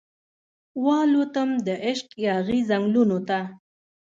والوتم دعشق یاغې ځنګلونو ته